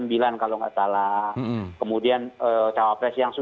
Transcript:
itu cawa pres